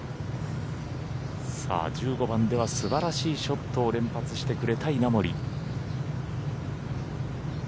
１５番では素晴らしいショットを連発してくれた稲森。